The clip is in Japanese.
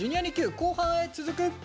後半へ続く！